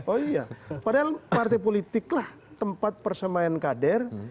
oh iya padahal partai politik lah tempat persemayaan kader